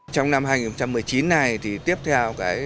trong năm hai nghìn một mươi chín này thì tiếp theo